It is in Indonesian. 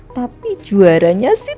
tapi juaranya sih